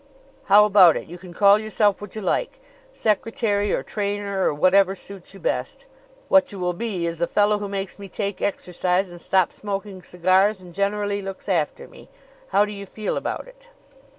"How about it? You can call yourself what you like secretary or trainer, or whatever suits you best. What you will be is the fellow who makes me take exercise and stop smoking cigars, and generally looks after me. How do you feel about it?"